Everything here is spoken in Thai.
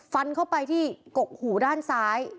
ฟันเข้าไปที่กกหูด้านซ้าย